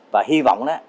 và hy vọng đó